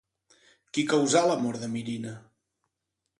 Qui causà la mort de Mirina?